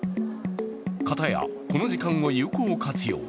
かたや、この時間を有効活用